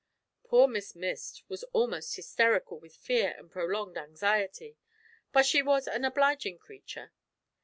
Poor Miss Mist was almost hysterical with fear and prolonged anxiety, but she was an obliging creature.